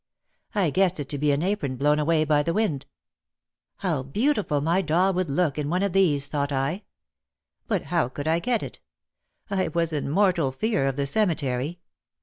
I guessed it to be an apron blown away by the wind. How beautiful my doll would look in one of these, thought I. But how could I get it ? I was in mortal fear of the cemetery.